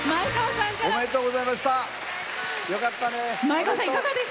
おめでとうございました。よかったね！